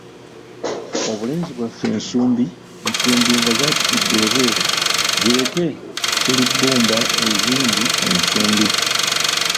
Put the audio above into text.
Obulenzi bwaffe nsumbi, nsumbi nga zaatikidde ebweru, zireke tulibumba ezindi ensumbi.